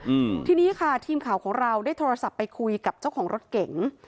อืมทีนี้ค่ะทีมข่าวของเราได้โทรศัพท์ไปคุยกับเจ้าของรถเก๋ง